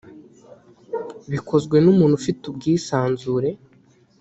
bikozwe n umuntu ufite ubwisanzure